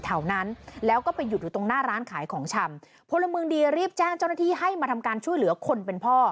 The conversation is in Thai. แถวนั้นแล้วก็ไปหยุดอยู่ตรงหน้าร้านขายของชำพลเมืองดีรีบแจ้งเจ้าหน้าที่ให้มาทำการช่วยเหลือคนเป็นพ่อ